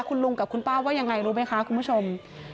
คุณลุงกับคุณป้าว่ายังไงรู้ไหมคะคุณผู้ชม